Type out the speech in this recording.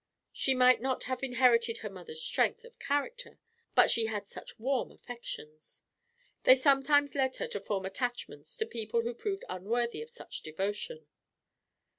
She might not have inherited her mother's strength of character, but she had such warm affections! They sometimes led her to form attachments to people who proved unworthy of such devotion.